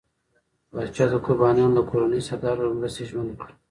پاچا د قربانيانو له کورنۍ سره د هر ډول مرستې ژمنه کړه.